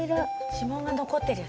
指紋がのこってる？